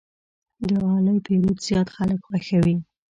د غالۍ پېرود زیات خلک خوښوي.